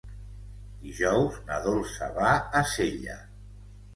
Dijous na Dolça va a Sella.